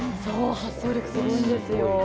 発想力すごいんですよ。